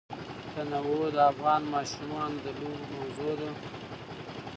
تنوع د افغان ماشومانو د لوبو موضوع ده.